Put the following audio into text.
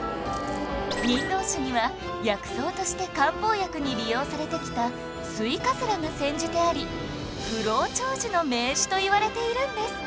忍冬酒には薬草として漢方薬に利用されてきたスイカズラが煎じてあり不老長寿の銘酒といわれているんです